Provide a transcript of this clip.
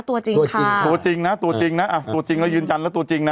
ตัวจริงตัวจริงตัวจริงนะตัวจริงนะอ่ะตัวจริงแล้วยืนยันแล้วตัวจริงนะ